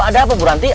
ada apa bu ranti